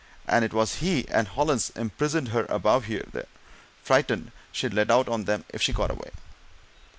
and it was he and Hollins imprisoned her above there frightened she'd let out on them if she got away."